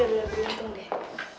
kamu benar benar beruntung deh